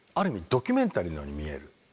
ドキュメンタリーのように見える。